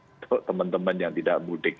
untuk teman teman yang tidak mudik